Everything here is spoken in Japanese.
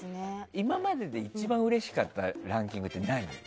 今まで一番うれしかったランキングって何？